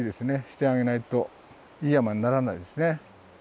してあげないといい山にならないですね。